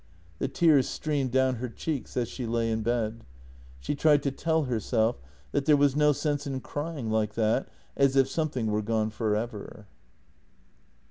The tears streamed down her cheeks as she lay in bed. She tried to tell herself that there was no sense in crying like that, as if something were gone for ever.